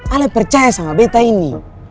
alih percaya sama bete ini